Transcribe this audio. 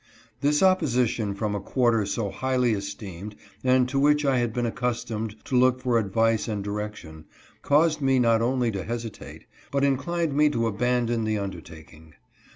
This opposition from a quarter so highly esteemed, and to which I had been accustomed to looji for advice and direction, caused me not only to hesitate, but inclined me to abandon the undertaking.